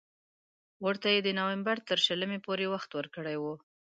ورته یې د نومبر تر شلمې پورې وخت ورکړی وو.